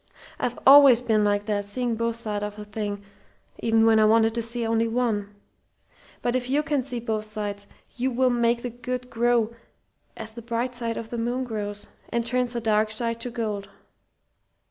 I've always been like that: seeing both sides of a thing even when I wanted to see only one. But if you can see both sides, you will make the good grow, as the bright side of the moon grows, and turns the dark side to gold.